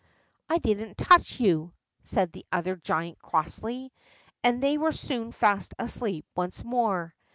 "I didn't touch you," said the other giant crossly, and they were soon fast asleep once more.